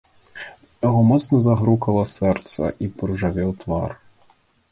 У яго моцна застукала сэрца і паружавеў твар.